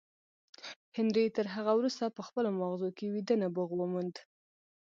هنري تر هغه وروسته په خپلو ماغزو کې ویده نبوغ وموند